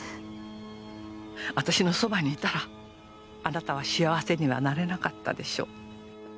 私のそばにいたらあなたは幸せにはなれなかったでしょう。